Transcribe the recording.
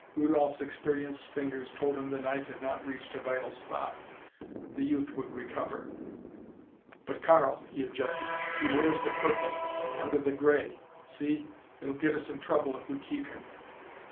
Rudolph's experienced fingers told him the knife had not reached a vital spot. The youth would recover. "But Karl," he objected, "he wears the purple. Under the gray. See! It'll get us in trouble if we keep him."